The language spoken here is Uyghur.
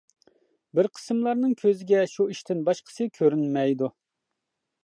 بىر قىسىملارنىڭ كۆزىگە شۇ ئىشتىن باشقىسى كۆرۈنمەيدۇ.